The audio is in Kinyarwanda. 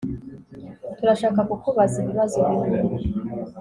Turashaka kukubaza ibibazo bimwe